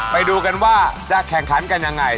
ไปดูกันว่าจะแข่งขันกันยังไง